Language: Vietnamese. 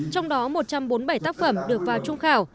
trong đó một trăm bốn mươi bảy tác phẩm được vào trung khảo